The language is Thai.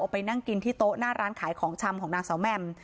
ไปนั่งกินที่โต๊ะหน้าร้านขายของชำของนางสาวแมม